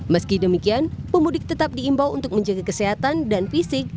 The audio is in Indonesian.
meski demikian pemudik tetap diimbau untuk menjaga kesehatan dan fisik